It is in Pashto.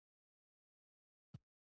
استاد رباني لږ څه په غوسه شو.